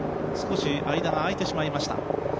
少し、間が開いてしまいました。